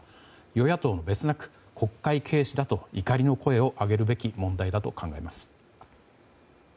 与野党も国会軽視だと怒りの声を上げるべき問題だと考えます。